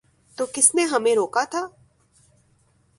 تو کس نے ہمیں روکا تھا؟